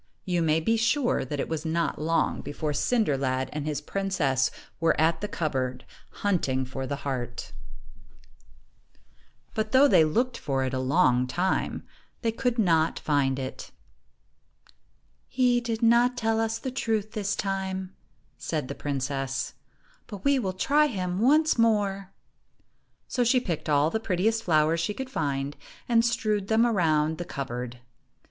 You may be sure that it was not long before Cinder lad and his princess were at the cupboard, hunting for the ii3 heart. But though they looked for it a long time, they could not find it. "He did not tell us the truth this time," said the princess, "but we will try him once more." So she picked all the prettiest flowers she could find, and strewed them around the cupboard.